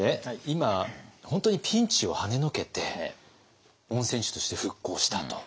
今本当にピンチをはねのけて温泉地として復興したと。